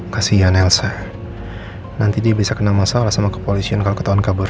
kasihan elsa nanti dia bisa kena masalah sama kepolisian kalau ketahuan kabur